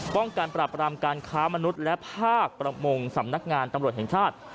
ป้องกันปราบรามการค้ามนุษย์และภาคประมงสำนักงานตำรวจแห่งชาติ